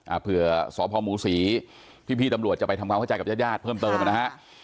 เผื่อสพมูศรีพี่พี่ตำรวจจะไปทำความเข้าใจกับญาติญาติเพิ่มเติมนะฮะ